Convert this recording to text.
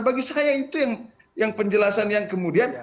bagi saya itu yang penjelasan yang kemudian